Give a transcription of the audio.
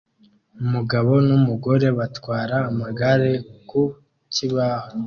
Umugabo n'umugore batwara amagare ku kibaho